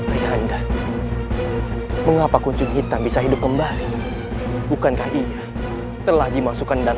ayah anda mengapa kunjung hitam bisa hidup kembali bukankah iya telah dimasukkan dan